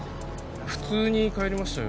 普通に帰りましたよ